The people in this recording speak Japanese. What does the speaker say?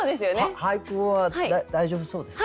俳句は大丈夫そうですか？